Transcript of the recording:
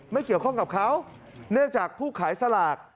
ไม่เกี่ยวข้องกับเขาเนื่องจากผู้ขายสลาก